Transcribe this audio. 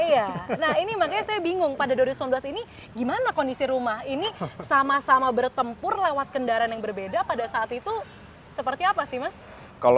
iya nah ini makanya saya bingung pada dua ribu sembilan belas ini gimana kondisi rumah ini sama sama bertempur lewat kendaraan yang berbeda pada saat itu seperti apa sih mas